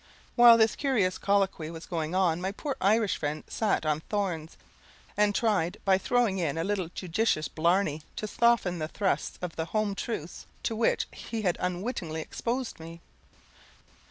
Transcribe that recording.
While this curious colloquy was going on, my poor Irish friend sat on thorns, and tried, by throwing in a little judicious blarney, to soften the thrusts of the home truths to which he had unwittingly exposed me.